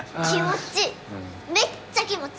気持ちい！